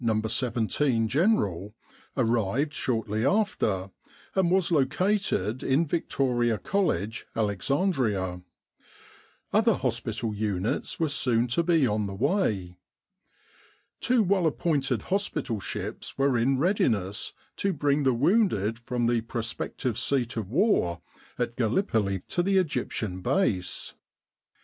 17 General, arrived shortly after, and was located in Victoria College, Alex andria. Other hospital units were soon to be on the way. Two well appointed hospital ships were in readiness to bring the wounded from the prospective seat of war at Gallipoli to the Egyptian Base.